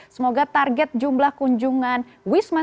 semoga target jumlah kunjungan wisman